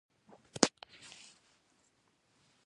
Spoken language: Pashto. د ماشوم د کانګو لپاره د اوبو ورکول بند کړئ